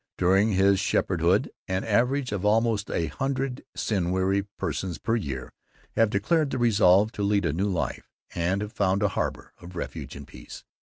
During his shepherdhood an average of almost a hundred sin weary persons per year have declared their resolve to lead a new life and have found a harbor of refuge and peace.